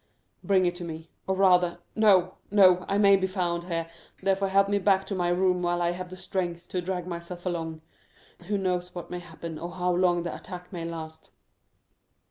Bring it to me—or rather—no, no!—I may be found here, therefore help me back to my room while I have the strength to drag myself along. Who knows what may happen, or how long the attack may last?"